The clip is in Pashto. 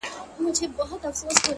گرا ني خبري سوې پرې نه پوهېږم؛